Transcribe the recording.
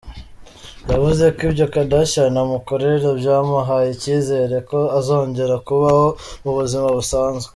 Yavuze ko ibyo Kardashian amukorera byamuhaye icyizere ko azongera kubaho mu buzima busanzwe.